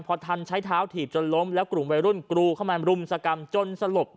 พอทันใช้เท้าถีบจนล้มแล้วกลุ่มวัยรุ่นกรูเข้ามารุมสกรรมจนสลบ